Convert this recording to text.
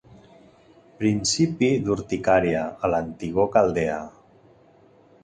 Principi d'urticària a l'antigor caldea.